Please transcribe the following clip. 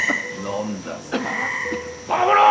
飲んだな？